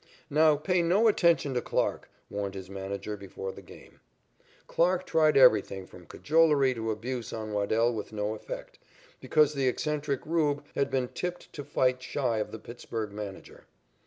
"Now pay no attention to Clarke," warned his manager before the game. Clarke tried everything from cajolery to abuse on Waddell with no effect, because the eccentric "Rube" had been tipped to fight shy of the Pittsburg manager.